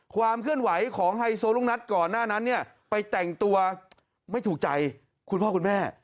ความเคลื่อนไหวของไฮโซลูกนัดก่อนหน้านั้นเนี่ยไปแต่งตัวไม่ถูกใจคุณพ่อคุณแม่